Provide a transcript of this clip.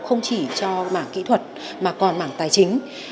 không chỉ cho mảng kỹ thuật mà còn mảng tài chính